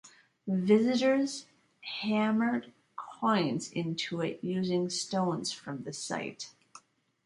Visitors hammer coins into it using stones from the site.